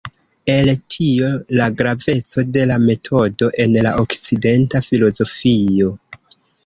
El tio la graveco de la metodo en la okcidenta filozofio.